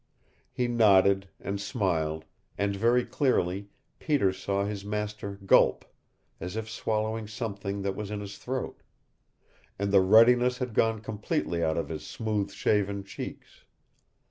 He nodded, and smiled, and very clearly Peter saw his master gulp, as if swallowing something that was in his throat. And the ruddiness had gone completely out of his smooth shaven cheeks.